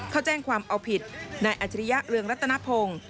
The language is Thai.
เขาแจ้งความเอาผิดนายอัจฉริยะเรืองรัตนพงศ์